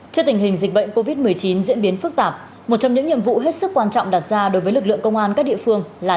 trước tình hình dịch bệnh covid một mươi chín diễn biến phức tạp một trong những nhiệm vụ hết sức quan trọng đặt ra đối với lực lượng công an các địa phương là